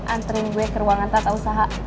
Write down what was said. antrein gue ke ruangan tata usaha